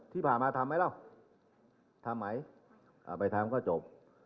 ที่ผ่ามาทำไหมแล้วทำไหมไปทำก็จบ